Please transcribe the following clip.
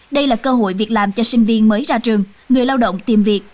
đây là cơ hội việc làm cho sinh viên mới ra trường người lao động tìm việc